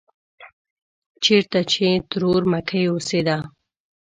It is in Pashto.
چېرته چې ترور مکۍ اوسېده.